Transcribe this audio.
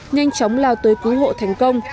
nhanh chóng lao tới cứu hộ thành công